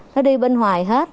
nó đi bên ngoài hết